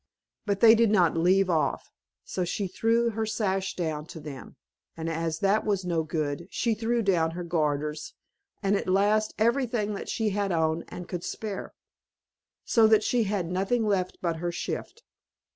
But they did not leave off, so she threw her sash down to them, and as that was no good, she threw down her garters, and at last everything that she had on, and could spare; so that she had nothing left but her shift.